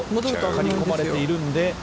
刈り込まれているんで。